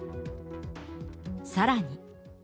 さらに。